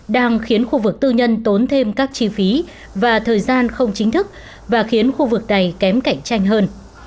đang khiến khu vực tư nhân tốn thêm các chi phí và thời gian không chính thức và khiến khu vực này kém cạnh tranh hơn